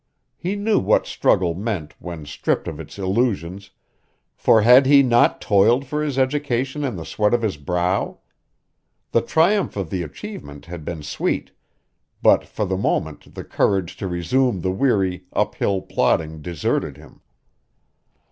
He knew what struggle meant when stripped of its illusions, for had he not toiled for his education in the sweat of his brow? The triumph of the achievement had been sweet, but for the moment the courage to resume the weary, up hill plodding deserted him.